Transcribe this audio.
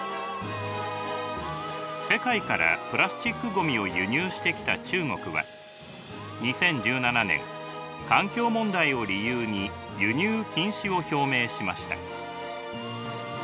世界からプラスチックごみを輸入してきた中国は２０１７年環境問題を理由に輸入禁止を表明しました。